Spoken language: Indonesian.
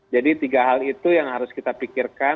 jadi tiga hal itu yang harus kita perhatikan